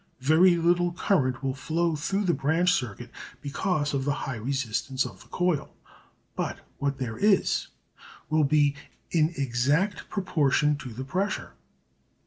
Very little current will flow through the branch circuit because of the high resistance of the coil, but what there is will be in exact proportion to the pressure.